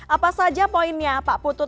apa saja poinnya pak putut